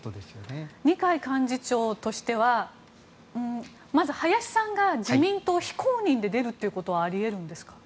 二階幹事長としてはまず林さんが自民党非公認で出るということはあり得るんですか。